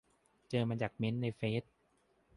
เจอมาจากเมนต์ในเฟซ